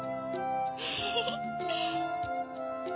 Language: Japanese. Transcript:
フフフ！